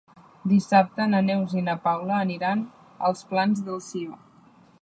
Dissabte na Neus i na Paula aniran als Plans de Sió.